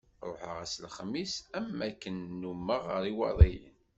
Ruḥeɣ ass n lexmis am wakken nummeɣ ɣer Iwaḍiyen.